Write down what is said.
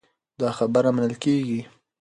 دا خبره منل کېږي.